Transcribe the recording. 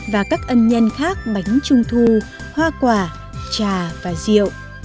và các ân nhân khác bánh trung thu hoa quả trà và rượu